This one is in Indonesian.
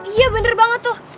iya bener banget tuh